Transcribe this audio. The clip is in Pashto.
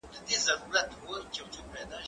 زه پرون انځور وليد.